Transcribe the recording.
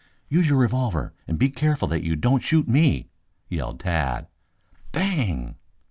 "Use your revolver and be careful that you don't shoot me," yelled Tad. _Bang!